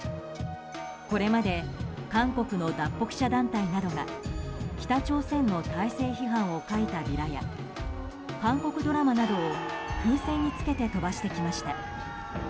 これまで韓国の脱北者団体などが北朝鮮の体制批判を書いたビラや韓国ドラマなどを風船につけて飛ばしてきました。